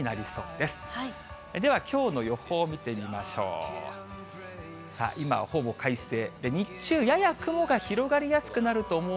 では、きょうの予報見てみましょう。